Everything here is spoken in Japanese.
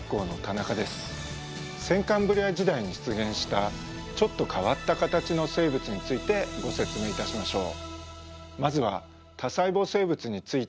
先カンブリア時代に出現したちょっと変わった形の生物についてご説明いたしましょう。